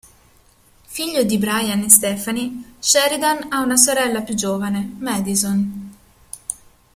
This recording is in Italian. Figlio di Bryan e Stephanie Sheridan, ha una sorella più giovane, Madison.